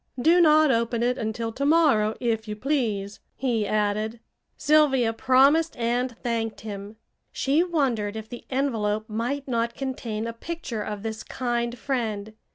"Do not open it until to morrow, if you please," he added. Sylvia promised and thanked him. She wondered if the envelope might not contain a picture of this kind friend.